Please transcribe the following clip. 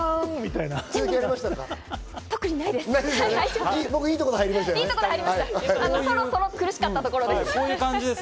いえ、そろそろ苦しかったところです。